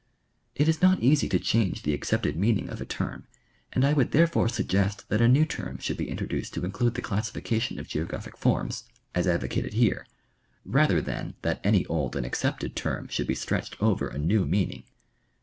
It is not easy to change the accepted meaning of a term, and I would therefore suggest that a new term should be introduced to include the classification of geographic forms, as advocated here, rather than that any old and accepted term should be stretched over a new meaning.